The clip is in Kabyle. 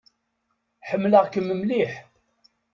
Ḥemmleɣ-kem mliḥ.